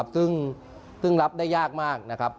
ซึ่งรับได้ยากมากนะครับ